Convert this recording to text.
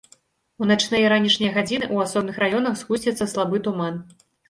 У начныя і ранішнія гадзіны ў асобных раёнах згусціцца слабы туман.